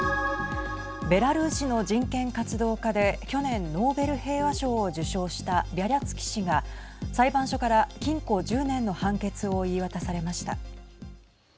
ベラルーシの人権活動家で去年、ノーベル平和賞を受賞したビャリャツキ氏が裁判所から禁錮１０年の判決を言い渡されました。